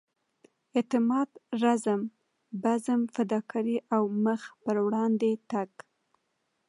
اعتماد رزم بزم فداکارۍ او مخ پر وړاندې تګ.